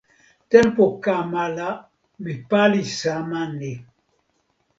tenpo kama la mi pali sama ni.